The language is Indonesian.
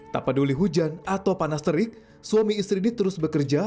tak peduli hujan atau panas terik suami istri ini terus bekerja